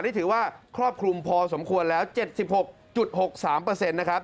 นี่ถือว่าครอบคลุมพอสมควรแล้วเจ็ดสิบหกจุดหกสามเปอร์เซ็นต์นะครับ